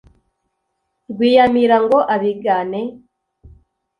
Rwiyamirira ngo abigane